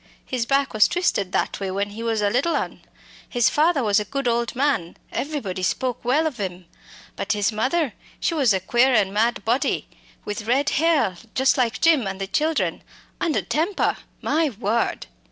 His back was twisted that way when he was a little un. His father was a good old man everybody spoke well of 'im but his mother, she was a queer mad body, with red hair, just like Jim and the children, and a temper! my word.